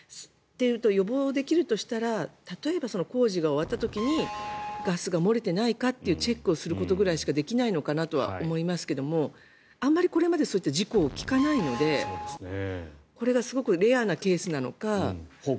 予防できるとしたら例えば工事が終わった時にガスが漏れてないかというチェックをすることぐらいしかできないのかなと思いますけどあまりこれまでそういった事故を聞かないのでこれがすごくレアなケースなのか。